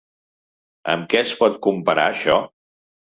Amb què es pot comparar això?